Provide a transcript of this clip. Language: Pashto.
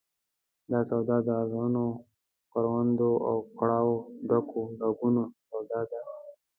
دا سواد د اغزنو کروندو او کړاوه ډکو ډاګونو سواد دی.